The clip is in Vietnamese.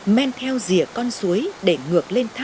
men theo dìa con suối để ngược lên thác